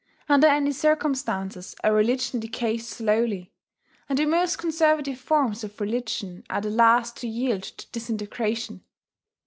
Under any circumstances a religion decays slowly; and the most conservative forms of religion are the last to yield to disintegration.